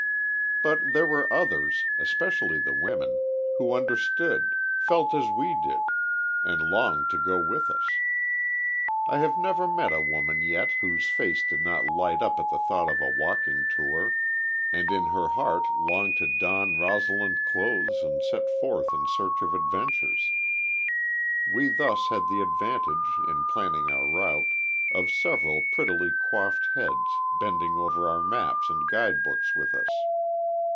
But there were others especially the women who understood, felt as we did, and longed to go with us. I have never met a woman yet whose face did not light up at the thought of a walking tour, and in her heart long to don Rosalind clothes and set forth in search of adventures. We thus had the advantage, in planning our route, of several prettily coiffed heads bending over our maps and guide books with us.